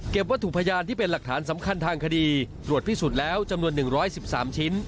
วัตถุพยานที่เป็นหลักฐานสำคัญทางคดีตรวจพิสูจน์แล้วจำนวน๑๑๓ชิ้น